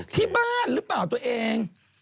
ที่บ้านหรือเปล่าตัวเอง